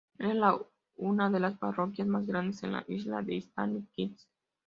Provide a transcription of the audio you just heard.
Es la una de las parroquias más grande en la isla de Saint Kitts.